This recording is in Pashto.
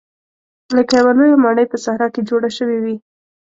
لکه یوه لویه ماڼۍ په صحرا کې جوړه شوې وي.